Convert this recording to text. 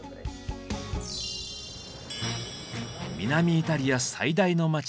南イタリア最大の街